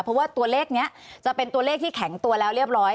เพราะว่าตัวเลขนี้จะเป็นตัวเลขที่แข็งตัวแล้วเรียบร้อย